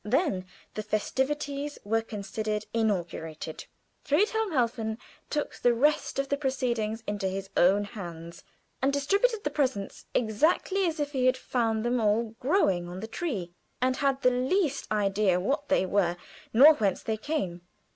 Then the festivities were considered inaugurated. Friedhelm Helfen took the rest of the proceedings into his own hands; and distributed the presents exactly as if he had found them all growing on the tree, and had not the least idea what they were nor whence they came.